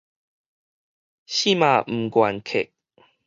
死嘛毋願瞌